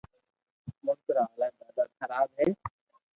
ملڪ را ھالات ڌاڌا خراب ھي